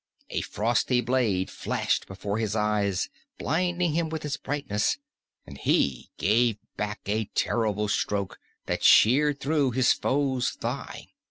A frosty blade flashed before his eyes, blinding him with its brightness, and he gave back a terrible stroke that sheared through his foe's thigh.